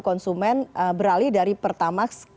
konsumen beralih dari pertamaks